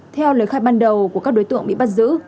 theo lời khai ban đầu của các đối tượng bị bắt giữ